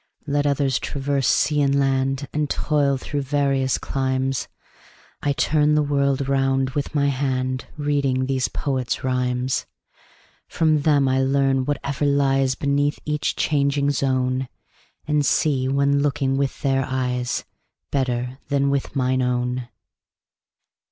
Let others traverse sea and land, And toil through various climes, 30 I turn the world round with my hand Reading these poets' rhymes. From them I learn whatever lies Beneath each changing zone, And see, when looking with their eyes, 35 Better than with mine own.